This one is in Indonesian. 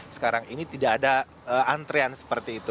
sekarang ini tidak ada antrean seperti itu